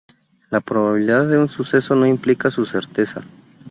La probabilidad de un suceso no implica su certeza.